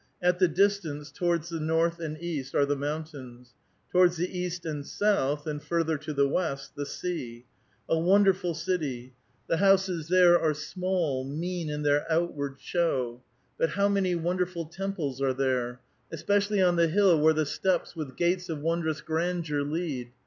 At the distance, towards the north and east, are the mountains ; towards the east and south, and further to the west, the sea. A wonderful city. The houses there are 370 A VITAL QUESTION. small, mean in their outward show. Bnt bow many wonder ful temples arc there ! especially on the hill, whei*e the steps, with gate^ of wondrous grandeur, lead.